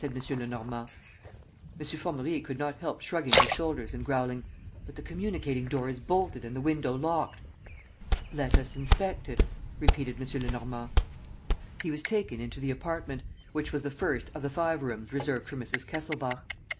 Lenormand. M. Formerie could not help shrugging his shoulders and growling: "But the communicating door is bolted and the window locked." "Let us inspect it," repeated M. Lenormand. He was taken into the apartment, which was the first of the five rooms reserved for Mrs. Kesselbach.